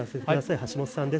橋本さんです。